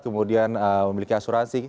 kemudian memiliki asuransi